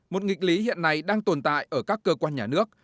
một nghịch lý hiện nay đang tồn tại ở các cơ quan nhà nước